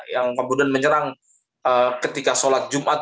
yang kemudian menyerang ketika sholat jumat